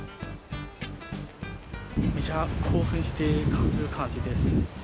めちゃ興奮している感じですね。